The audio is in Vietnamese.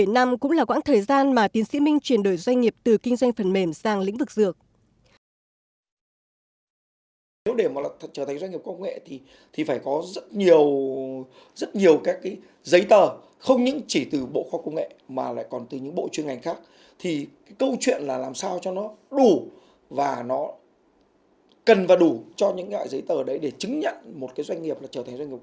bảy năm cũng là quãng thời gian mà tiến sĩ minh chuyển đổi doanh nghiệp từ kinh doanh phần mềm sang lĩnh vực dược